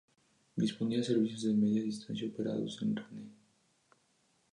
Disponía de servicios de media distancia operados por Renfe.